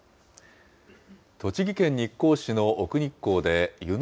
栃木県日光市の奥日光で、湯ノ